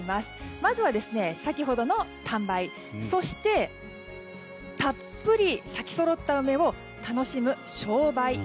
まずは先ほどの探梅そして、たっぷり咲きそろった梅を楽しむ賞梅